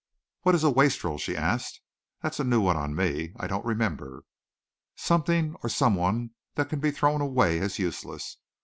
"What is a wastrel?" she asked. "That's a new one on me. I don't remember." "Something or someone that can be thrown away as useless.